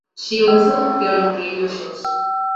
She also appeared on radio shows.